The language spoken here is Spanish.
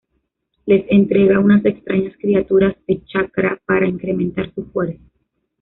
Les entrega unas extrañas criaturas de chakra para incrementar su fuerza.